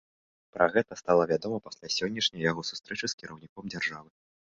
Пра гэта стала вядома пасля сённяшняй яго сустрэчы з кіраўніком дзяржавы.